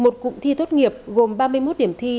một cụm thi tốt nghiệp gồm ba mươi một điểm thi